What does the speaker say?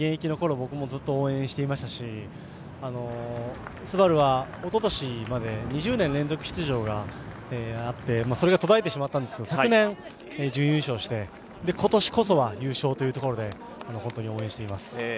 僕もずっと応援していましたしＳＵＢＡＲＵはおととしまで２０年連続出場があってそれが途絶えてしまったんですけど、昨年、準優勝して今年こそは優勝というところで、本当に応援しています。